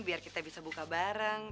biar kita bisa buka bareng